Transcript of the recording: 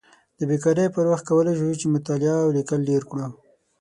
د بیکارۍ پر وخت کولی شو چې مطالعه او لیکل ډېر کړو.